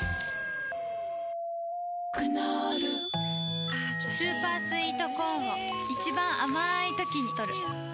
クノールスーパースイートコーンを一番あまいときにとる